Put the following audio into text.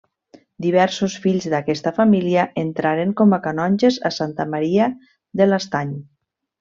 Diversos fills d'aquesta família entraren com a canonges a Santa Maria de l'Estany.